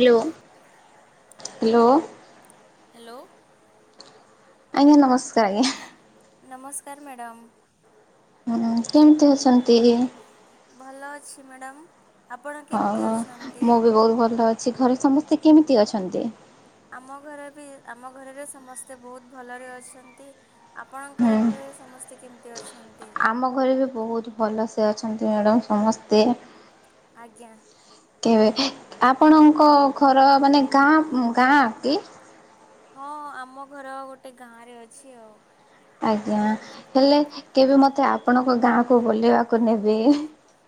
Yellow hello. Hello. ଆଜ୍ଞା ନମସ୍କାର ଆଜ୍ଞା। ନମସ୍କାର ମ୍ୟାଡ଼ାମ୍। ହୁଁ କେମିତି ଅଛନ୍ତି? ଭଲ ଅଛି ମ୍ୟାଡ଼ାମ। ହଁ ମୁଁ ବି ବହୁତ ଭଲ ଅଛି ଘରେ ସମସ୍ତେ କେମିତି ଅଛନ୍ତି? ଆମ ଘରେ ବି ଆମ ଘରେ ବି ସମସ୍ତେ ବହୁତ ଭଲରେ ଅଛନ୍ତି ଆପଣଙ୍କର ହୁଁ ଘରେ ସମସ୍ତେ କେମିତି ଅଛନ୍ତି? ଆମ ଘରେ ବି ବହୁତ ଭଲ ଅଛନ୍ତି ମାଡ଼ାମ୍ ସମସ୍ତେ। ଆଜ୍ଞା। କେବେ ଆପଣଙ୍କ ଘର ମାନେ ଗାଁ ଗାଁ କି? ହଁ ଆମ ଘର ଗୋଟେ ଗାଁ ରେ ଅଛି ଆଉ। ଆଜ୍ଞା ହେଲେ କେବେ ମତେ ଆପଣଙ୍କ ଗାଁକୁ ବୁଲିବାକୁ ନେବେ?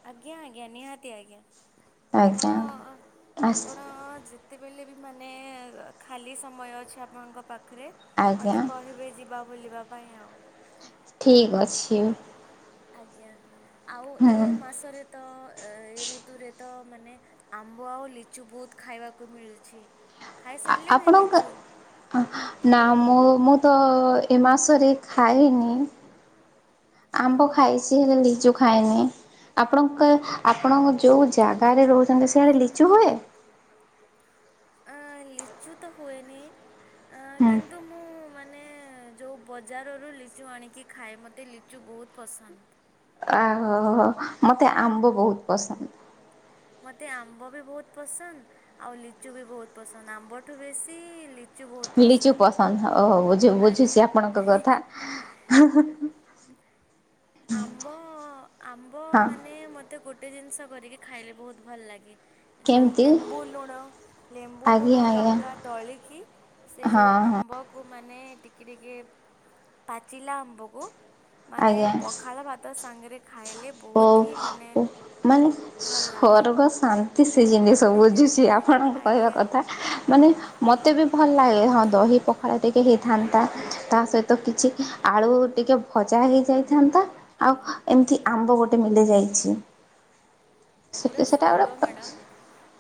ଆଜ୍ଞା ଆଜ୍ଞା ନିହାତି ଆଜ୍ଞା। ଆଜ୍ଞା ଆପଣ ଆସ ଆପଣ ଯେତ ସେତେବେଳେ ବି ମାନେ ଖାଲି ସମୟ ଅଛି ଆପଣଙ୍କ ପାଖ ପାଖରେ ଆଜ୍ଞା ମତେ କହିବେ ଯିବା ବୁଲିବା ପାଇଁ ଆଉ। ଠିକ ଅଛି। ଆଜ୍ଞା‌। ଆଉ ଏ ହୁଁ। ମାସରେ ତ ଏ ଋତୁରେ ତ ମାନେ ଆମ୍ବ ଆଉ ଲିଚୁ ବହୁତ ଖାଇବାକୁ ମିଳୁଛି। ଖାଇସାରିଲେଣି ଆପଣଙ୍କ ଲିଚୁ? ନା ମୁଁ ମୁ। ମୁଁ ତ ଏ ମାସରେ ଖଇନି ଆମ୍ବ ଖାଇଛି ହେଲେ ଲିଚୁ ଖାଇନି ଆପଣଙ୍କ ଆପଣଙ୍କ ଯୋଉ ଜାଗାରେ ରହୁଛନ୍ତି ସେ ଲିଚୁ ହୁଏ? ଅ ଲିଚୁ ତ ହୁଏନି। ହୁଁ କିନ୍ତୁ ମୁଁ ମୁଁ ମାନେ ଯୋଉ ବଜାରରୁ ଲିଚୁ ଆଣିକି ଖାଏ ମୋତେ ଲିଚୁ ବହୁତ ପସନ୍ଦ। ଅହୋହୋ ମତେ ଆମ୍ବ ବହୁତ ପସନ୍ଦ। ମତେ ଆମ୍ବ ବି ବହୁତ ପସନ୍ଦ ଆଉ ଲିଚୁ ବି ବହୁତ ପସନ୍ଦ ଆମ୍ବଠୁ ବେଶୀ ଲିଚୁ ଲିଚୁ ପସନ୍ଦ ଓହୋ ବୁଝ ବୁଝୁଛି ଆପଣଙ୍କ ଆଜ୍ଞା। କଥା। ଆମ୍ବ ଆମ୍ବ ହଁ ମାନେ ମତେ ଗୋଟେ ଗୋଟେ ଜିନିଷ କରିକି ଖାଇଲେ ବହୁତ ଭଲ ଲାଗେ। ଯେଉଁ କେମିତି ଲେମ୍ବୁ ଲୁଣ ଲେମ୍ବୁ ଆଜ୍ଞା ଲୁଣ ଆଜ୍ଞା ଲଙ୍କା ଦଳିକି ସେ ହଁ ଯୋଉ ହଁ ଆମ୍ବକୁ ମାନେ ଟିକେ ଟିକେ ପାଚିଲା ଆମ୍ବକୁ ମାନେ ଆଜ୍ଞା। ପଖାଳ ଭାତ ସାଙ୍ଗରେ ଖାଇଲେ ଓ ବହୁତ ହିଁ ମାନେ ମାନେ ଭଲ ଲାଗେ ସ୍ବର୍ଗ ଶାନ୍ତି ସେ ଜିନିଷ ବୁଝୁଛି ଆପଣଙ୍କ କହିବା ଆଜ୍ଞା କଥା ମାନେ ମତେ ବି ଭଲ ଲାଗେ ହଁ ବ ଏଇ ପଖାଳ ଟିକେ ହେଇଥାନ୍ତା ତା ସହିତ କିଛି ଆଳୁ ଟିକେ ଭଜା ହେଇଯାଇଥାନ୍ତା ଆଉ ଏମିତି ଆମ୍ବ ଗୋଟେ ମିଲି ଯାଇଛି। ପୁରା ସେଟା ସ୍ୱର୍ଗ ଗୋଟେ ମ୍ୟାଡ଼ାମ୍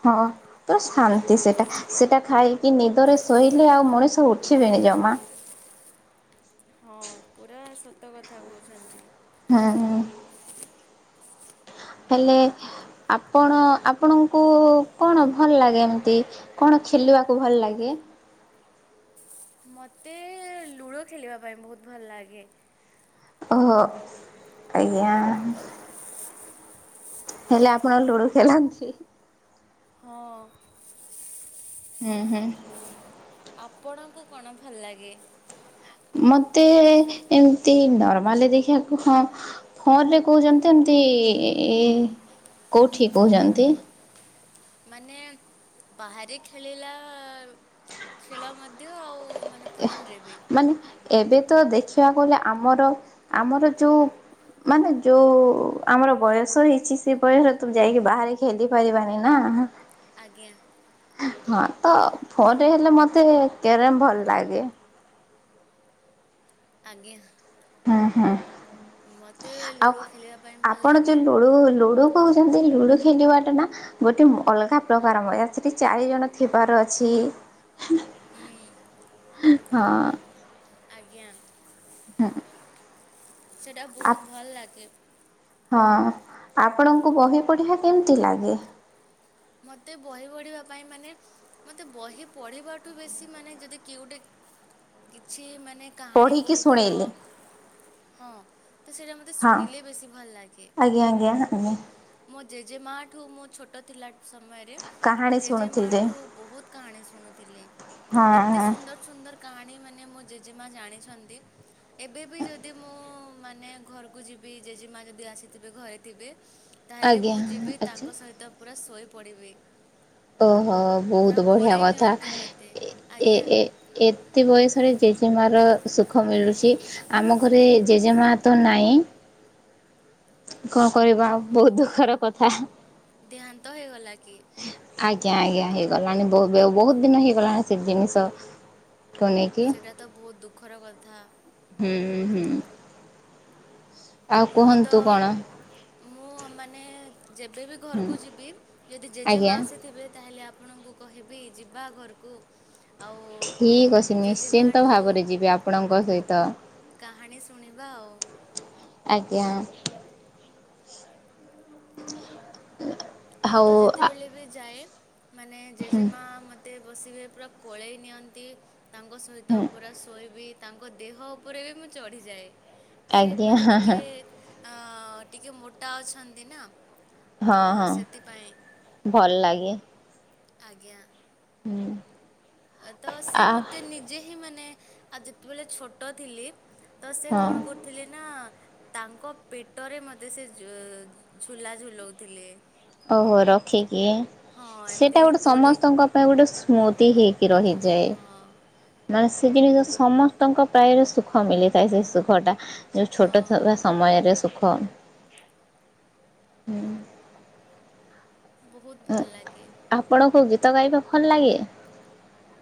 ହଁ ପୁରା ଶାନ୍ତି ସେଟା ସେଟା ଖାଇକି ନିଦରେ ଶୋଇଲେ ଆଉ ମଣିଷ ଉଠିବେନି ଜମା। ହଁ ପୁରା ସତ କଥା କହୁଛନ୍ତି। ହୁଁ ହୁଁ ହେଲେ ଆପଣ ଆପଣଙ୍କୁ କଣ ଭଲ ଲାଗେ ଏମିତି କଣ ଖେଲିବାକୁ ଭଲ ଲାଗେ? ମତେ ଲୁଡ଼ୁ ଖେଳିବା ପାଇଁ ବହୁତ ଭଲ ଲାଗେ। ଓହୋ ଆଜ୍ଞା ହେଲେ ଆପଣ ଲୁଡୁ ଖେଳନ୍ତି? ହଁ। ହୁଁ ହୁଁ। ଆପଣଙ୍କୁ କଣ ଭଲ ଲାଗେ? ମତେ ଏମିତି ନର୍ମାଲିରେ ଦେଖିବାକୁ ହଁ ଫୋନରେ କହୁଛନ୍ତି ଏମିତି କୋଉଠି କହୁଛନ୍ତି? ମାନେ ବାହାରେ ଖେଳିଲା ଖେଳ ମଧ୍ୟ ଆଉ ମାନେ ଫୋନରେ ବି ମାନେ ଏବେ ତ ଦେଖିବାକୁ ଗଲେ ଆମର ଆମର ଯୋଉ ମାନେ ଯୋଉ ଆମର ବୟସ ହେଇଛି ସେ ବୟସରେ ତୁ ଯାଇକି ବାହାରେ ଖେଲି ପାରିବାନି ନା। ଆଜ୍ଞା। ହଁ ତ ଫୋନରେ ହେଲେ ମତେ କ୍ୟାରମ ଭଲ ଲାଗେ। ଆଜ୍ଞା। ହଁ ହଁ। ମତେ ଲୁଡୁ ଖେଳିବା ପାଇଁ ଭଲ ଆପଣ ଯୋଉ ଲାଗେ। ଲୁଡୁ ଲୁଡୁ କହୁଛନ୍ତି ଲୁଡୁ ଖେଲିବାଟା ନା ଗୋଟେ ଅଲଗା ପ୍ରକାର ମଜା ସେଠି ଚାରି ଜଣ ଥିବାର ଅଛି। ହୁଁ। ହଁ। ଆଜ୍ଞା। ହୁଁ। ସେଇଟା ବହୁତ ଭଲ ଲାଗେ। ହଁ ଆପଣଙ୍କୁ ବହି ପଢ଼ିବା କେମିତି ଲାଗେ? ମତେ ବହି ପଢିବା ପାଇଁ ମାନେ ମତେ ବହି ପଢିବାଠୁ ବେଶୀ ମାନେ ଯଦି କିଏ ଗୋଟେ କିଛି ମାନେ କାହାଣୀ ପଢ଼ିକି କହୁଥିବ ଶୁଣେଇଲେ ହଁ ତ ସେଇଟା ମତେ ହଁ ଶୁଣିଲେ ବେଶୀ ଭଲ ଲାଗେ ଆଜ୍ଞା ଆଜ୍ଞା ଆଜ୍ଞା ମୋ ଜେଜେ ମା ଠୁ ମୋ ଛୋଟ ଥିଲା ସମୟରେ କାହାଣୀ ଶୁଣୁଥିଲି ଜେଜେମାଠୁ ବହୁତ କାହାଣୀ ଶୁଣୁଥିଲି ହଁ ଏତେ ହଁ ସୁନ୍ଦର ସୁନ୍ଦର କାହାଣୀ ମାନେ ମୋ ଜେ ଜେଜେ ମା ଜାଣିଛନ୍ତି ଏବେ ବି ଯଦି ମୁଁ ମାନେ ଘରକୁ ଯିବି ଜେଜେ ମା ଯଦି ଆସିଥିବେ ଘରେ ଥିବେ ତାହେଲେ ଆଜ୍ଞା ମୁଁ ଯିବି ଆଚ୍ଛା ତାଙ୍କ ସହିତ ପୁରା ଶୋଇ ପଡ଼ିିବି। ଓହୋ ବହୁତ ବଢ଼ିଆ କଥା ନିଅନ୍ତି ମୋତେ ଆଜ୍ଞା ଏ ଏତେ ବୟସରେ ଜେଜେମା ର ସୁଖ ମିଳୁଛି ଆମ ଘରେ ଜେଜେ ମା ତ ନାହିଁ କଣ କରିବା ଓ ବହୁତ ଦୁଃଖର କଥା। ଦେହାନ୍ତ ହେଇଗଲା କି ଆଜ୍ଞା ଆଜ୍ଞା ହେଇଗଲାଣି ବହୁତ ବହୁତ ଦିନ ହେଇଗଲାଣି ସେ ଜିନିଷ। ସେଇଟା ତ ବହୁତ ଦୁଃଖର କଥା। ହୁଁ ହୁଁ। ଆଉ ମୁଁ ତ କୁହନ୍ତୁ କଣ? ମୁଁ ମାନେ ଯେବେବି ଘରକୁ ଯିବି ଯଦି ଜେଜେ ମା ଆଜ୍ଞା ଆସିଥିବେ ତାହେଲେ ଆ ଆପଣଙ୍କୁ କହିବି ଯିବା ଘରକୁ। ଆଉ ଠିକ ଅଛି ନିଶ୍ଚିନ୍ତ ଜେଜେମାଠୁ ଭାବରେ ଯିବି ଆପଣଙ୍କ ସହିତ। କାହାଣୀ ଶୁଣିବା ଆଉ ଆଜ୍ଞା। ମୁଁ ହଉ ତ ଯେତେବେଳେ ବି ଯାଏ ମାନେ ଜେଜେମା ମ ଏତେ ବସିବେ ପୁରା କୋଳେଇ ନିଅନ୍ତି। ତାଙ୍କ ସହିତ ହୁଁ ପୁରା ଶୋଇବି। ତାଙ୍କ ଦେହ ଉପରେ ବି ମୁଁ ଚଢ଼ିଯାଏ। ସେ ଆଜ୍ଞା ମାନେ ହଁ ଟିକେ ହଁ ଅ ଟିକେ ମୋଟା ଅଛନ୍ତି ନା। ହଁ ତ ହଁ। ସେଥିପାଇଁ ଭଲ ଲାଗେ। ଆଜ୍ଞା। ହୁଁ। ତ ସେ ମତେ ନିଜେ ହିଁ ମାନେ ଆଉ ଯେତେବେଳେ ଛୋଟ ଥିଲି ତ ସେ ହଁ କଣ କରୁଥିଲେ ନା। ତାଙ୍କ ପେଟରେ ମତେ ସେ ଝୁ ଝୁଲା ଝୁଲଉଥିଲେ। ଓହୋ ରଖିକି ହଁ ଏମିତି ସେଟା ଗୋଟେ ଦୋଳି ସମସ୍ତଙ୍କ ପାଇଁ ଗୋଟେ ସ୍ମୁଥ। ତିହିି। ରହିଯାଏ ହଁ ମ। ସେ ଜିନିଷ ସମସ୍ତଙ୍କ ପ୍ରାୟରେ ସୁଖ ମିଳିଥାଏ ସେ ସୁଖ ଟା। ହଁ ଛୋଟ ଥିବା ସମୟରେ ସୁଖ। କଣ ହୁଁ। ବହୁତ ଭଲ ଲାଗେ। ତ ଗୀତ ଗାଇବା ଭଲ ଲାଗେ।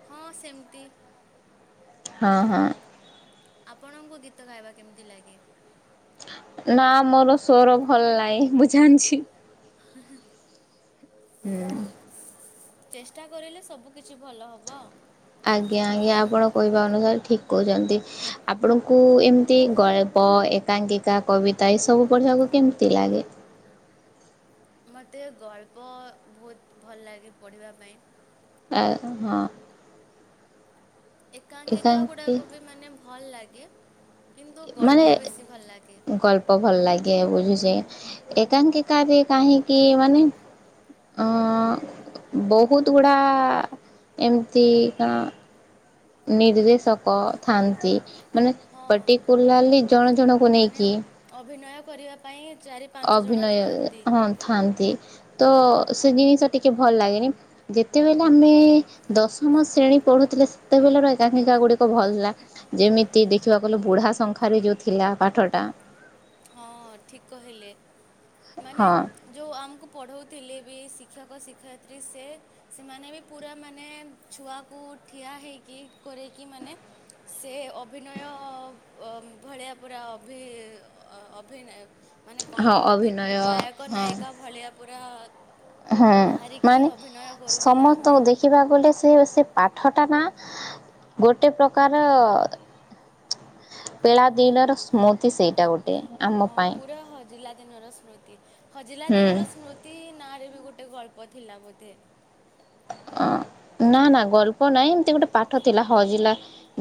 ହଁ ସେମିତି। ହଁ ହଁ। ଆପଣଙ୍କୁ ଗୀତ ଗାଇବା କେମିତି ଲାଗେ। ନା ମୋର ସ୍ୱର ଭଲନାହିଁ ମୁଁ ଜାଣିଛି। ହେଁ ହେଁ। ହୁଁ। ଚେଷ୍ଟା କରିଲେ ସବୁ କିଛି ଭଲ ହବ। ଆଜ୍ଞା ଆଜ୍ଞା ଆପଣ କହିବା ଅନୁସାରେ ଠିକ୍ କହୁଛନ୍ତି ଆପଣଙ୍କୁ ଏମିତି ଗଳ୍ପ ଏକାଙ୍କିକା କବିତା ଏସବୁ ପଢ଼ିବାକୁ କେମିତି ଲାଗେ। ମୋତେ ଗଳ୍ପ ବହୁତ ଭଲ ଲାଗେ ପଢ଼ିବା ପାଇଁ। ଆ ହଁ। ଏକାଙ୍କିକା ଏକାଙ୍କି ଗୁଡାକୁ ବି ମାନେ ଭଲ ଲାଗେ। କିନ୍ତୁ ମାନେ ଗଳ୍ପ ବେଶୀ ଭଲ ଲାଗେ ଗଳ୍ପ ଭଲ ଲାଗେ ବୁଝୁଛେ। ଏକାଙ୍କିକାରେ କାହିଁକି ମାନେ ଅ ବହୁତ ଗୁଡା ଏମତି କଣ ନିର୍ଦ୍ଦେଶକ ଥାନ୍ତି। ମାନେ ହଁ ପଟିକୁଲାଲି ଜଣ ଜଣଙ୍କୁ ମାନେ ନେଇକି ଅଭିନୟ କରିବା ପାଇଁ ଚାରି ପାଞ୍ଚ ଜଣ ଅଭିନୟ ଥାଆନ୍ତି ହଁ ଥାନ୍ତି ତ ସେ ଜିନିଷ ଟିକେ ଭଲ ଲାଗେନି ଯେତେବେଳେ ଆମେ ଦଶମ ଶ୍ରେଣୀ ପଢୁଥିଲେ ସେତେବେଳର ଏକାଙ୍କିକା ଗୁଡିକ ଭଲ ଥିଲା ଯେମିତି ଦେଖିବାକୁଲେ ବୁଢା ସଂଙ୍ଖାରେ ଯୋଉ ଥିଲା ପାଠଟା। ହଁ ଠିକ କହିଲେ। ମାନେ ହଁ ଯୋଉ ଆମକୁ ପଢଉ ଥିଲେ ବି ଶିକ୍ଷକ ଶିକ୍ଷୟିତ୍ରୀ ସେ ସେମାନେ ବି ପୁରା ମାନେ ଛୁଆକୁ ଠିଆ ହେଇକି କରେଇକି ମାନେ ସେ ଅଭିନୟ ଭଳିଆ ପୁରା ଅଭି ଅ ଅଭିନୟ ମାନେ କଣ ହଁ କହନ୍ତି ଅଭିନୟ ନାୟକ ନାୟିକା ଭଳିଆ। ପୁରା ହୁଁ ବାହାରିକି ମାନେ ଅଭିନୟ କରୁଥିଲା ଆମେ ସମସ୍ତଙ୍କୁ ଦେଖିବାକୁଲେ ସେ ସେ ଠଟା ନା ଗୋଟେ ପ୍ରକାର ପେଳାଦିନର ସ୍ମୃତି ସେଇଟା ଗୋଟେ ଟେ ଆମ ପାଇଁ। ଦିନ ର ସ୍ମୃତି ହଜିଲା ହୁଁ ଦିନର ସ୍ମୃତି ନାରୀ ବି ଗୋଟେ ଗଳ୍ପ ଥିଲା ବୋଧେ ଅ ନା ନା ଗଳ୍ପ ନହିଁ ଏମତି ଗୋଟେ ପାଠ ଥିଲା ହଜିଲା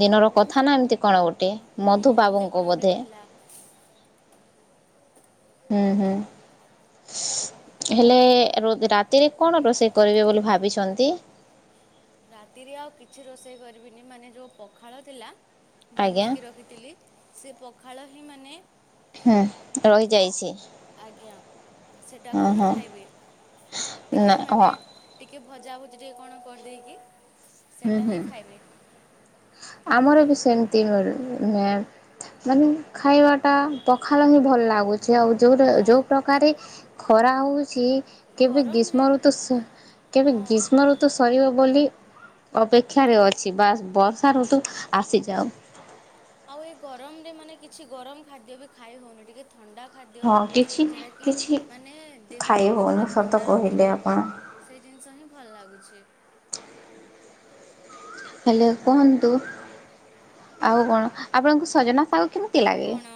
ଦିନର କଥା ନା ଏମତି କଣ ଗୋଟେ। ଗୋଟେ ହୁଁ ଏମିତି କଣ ମଧୁବାବୁଙ୍କ ଗୋଟେ ବୋଧେ। ଥିଲା। ହୁଁ ହୁଁ ହେଲେ ରାତିରେ କଣ ରୋଷେଇ କରିବେ ବୋଲି ଭାବିଛନ୍ତି? ରାତିରେ ଆଉ କିଛି ରୋଷେଇ କରିବିନି ମାନେ ଯୋଉ ପଖାଳ ଥିଲା ଆଜ୍ଞା ବନେଇକି ରଖିଥିଲି ସେ ପଖାଳ ମାନେ? ହୁଁ ରହିଯାଇଛି। ଆଜ୍ଞା ହଁ ସେଟାକୁ ମୁଁ ହଁ ଖାଇବି ନା ଟିକେ ମାନେ ହଁ ଟିକେ ଭଜାଭୁଜି ଟିକେ କଣ କରିଦେଇକି ହୁଁ ସେଟା ହୁଁ ହିଁ ଖାଇବେ। ଆମର ବି ସେମ। ନ୍ତି ଘରେ ମାନେ ଖାଇବାଟା ପଖାଲା ହିଁ ଭଲ ଲାଗୁଛି। ସେ ଆଉ ଯୋଉରା ହଁ ଯୋଉ ପ୍ରକାରେ ଖରା ହଉଛି। ଛି କେବେ ଗରମରେ ଗ୍ରୀଷ୍ମ ଋତୁ କେବେ ସ ହଁ ଗ୍ରୀଷ୍ମ ଋତୁ ସରିବ ବୋଲି ଅପେକ୍ଷାରେ ଅଛି ବା ବର୍ଷା ଋତୁ ଆସିଯାଉ। ଆଉ ଏ ଗରମ ରେ ମାନେ କିଛି ଗରମ ଖାଦ୍ୟ ବି ଖାଇ ହଉନି ଟିକେ ଥଣ୍ଡା ଖାଦ୍ୟ ହଁ କିଛି ଯେଉଟା କିି କିଛି ମାନେ ଖାଇ ଦେହକୁ ବି ହେଉନି ପୁରା ସତ ଥଣ୍ଡା କହିଲେ ରଖିବ ଆପଣ। ସେଇ ଜିନିଷ ହିଁ ଭଲ ଲାଗୁଛି। ହେଲୋ କୁହନ୍ତୁ ଆଉ କଣ ଆପଣଙ୍କୁ ସଜନା ଶାଗ କେମିତି ଆଉ ଲାଗେ। କ'ଣ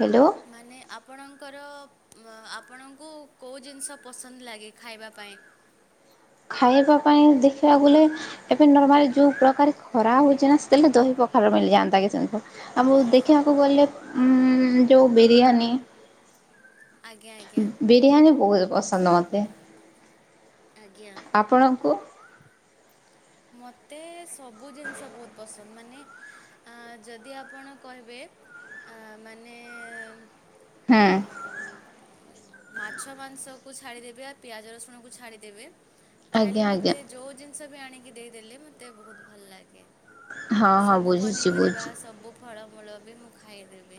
ହ୍ୟାଲୋ। ମାନେ ଆପଣଙ୍କର ଆପଣଙ୍କୁ କୋଉ ଜିନିଷ ପସନ୍ଦ ଲାଗେ ଖାଇବା ପାଇଁ। ଖାଇବାକୁ ଆପଣ ଦେଖିବାକୁ ଗଲେ ଏବେ ନର୍ମାଲି ଯେଉଁ ପ୍ରକାର ଖରା ହଉଛି ନା ସେତେବେଳେ ଦହି ପଖାଳ ମିଳିଯାଆନ୍ତା [unintelligible] ଆମ ହଁ ଦେଖିବାକୁ ଗଲେ ଉଁ ଯୋଉ ବିରିୟାନୀ- ଆଜ୍ଞା ଆଜ୍ଞା ବିରିୟାନୀ ବହୁତ ପସନ୍ଦ ମତେ। ଆଜ୍ଞା ଆପଣଙ୍କୁ? ମତେ ସବ ସବୁ ଜିନିଷ ବହୁତ ପସନ୍ଦ ମାନେ ଅ ଯଦି ଆପଣ କହିବେ ଅ ମାନେ ହୁଁ। ମାଛ ମାଂସ କୁ ଛାଡିଦେବେ ଆ ପିଆଜ ରସୁଣ କୁ ଛାଡିଦେବେ ଆଜ୍ଞା ତାହେଲେ ଆଜ୍ଞା ମତେ ଯୋଉ ଜିନିଷ ସବ ଆଣିକି ଦେଇଦେଲେ ମତେ ବହୁତ ଭଲ ଲାଗେ। ହଁ ହଁ ସବୁ ବୁଝୁଛି ପନିପରିବା ବୁଝି ସବୁ ଫଳମୂଳ ବି ମୁଖ ଖାଇଦେବି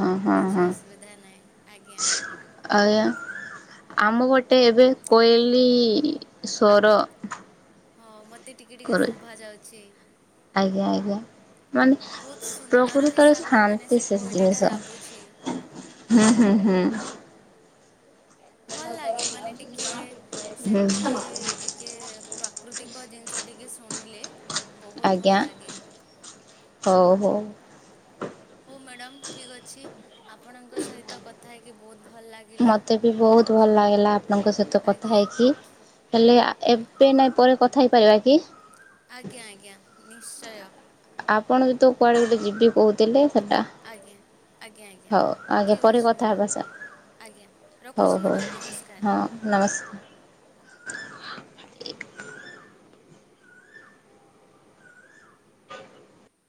ହଁ ହଁ କିଛି ହଁ ଅସୁବିଧା ନାହିଁ ଆଜ୍ଞା। ଆଜ୍ଞା ଆମ ଗୋଟେ ଏବେ କୋଇଲି ସ୍ୱର ହଁ ମତେ ଏତେ ଟିକେ ଟିକେ କରୁ ଶୋଭା ଯାଉଛି। ଆଜ୍ଞା ଆଜ୍ଞା ମାନେ ବହୁତ ସୁନ୍ଦର ପ୍ରକୃତି ହିସାବରେ ମାନେ ଶାନ୍ତି ସେ କୋଇଲିଟା ରାବୁଛି [unintelligible] ହୁଁ ହୁଁ ହୁଁ। ଭଲ ଲାଗେ ମାନେ ଟିକେ ହୁଁ ସେମତି ଟିକେ ପ୍ରା ପ୍ରାକୃତିକ ଜିନିଷ ଟିକେ ଶୁଣିଲେ ବହୁତ ଭଲ ଆଜ୍ଞା ଲାଗେ ହଉ ହଉ। ହଉ ମ୍ୟାଡ଼ାମ୍ ଠିକ୍ ଅଛି ଆପଣଙ୍କ ସହିତ କଥା ହେଇକି ବହୁତ ଭଲ ଲାଗିଲା ମତେ ବି ବହୁତ ଭଲ ଲାଗିଲା ଆପଣଙ୍କ ସହିତ କଥା ଆଜ୍ଞା ହେଇକି ହେଲେ ଏବେ ନାଇଁ ପରେ କଥା ହେଇ ପାରିବା କି? ଆଜ୍ଞା ଆଜ୍ଞା ନିଶ୍ଚୟ। ଆପଣ ଯେତୁ କୁଆଡେ ଗୋଟେ ଯିବି କହୁଥିଲେ ସେଟା ଆଜ୍ଞା ଆଜ୍ଞା ଆଜ୍ଞା ହଉ ଆଜ୍ଞା ଠିକ୍ ପରେ ଅଛି କଥା ହେବା ମ୍ୟାଡ଼ାମ୍ ସାର୍। ଆଜ୍ଞା ରଖୁଛି ହଉ ହଉ ମ୍ୟାଡ଼ାମ୍ ନମସ୍କାର ହଁ ନମସ୍କାର। [inaudible]